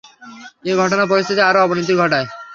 এ ঘটনা পরিস্থিতির আরও অবনতি ঘটায়।